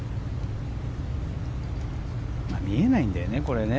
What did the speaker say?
見えないんだよね、これね。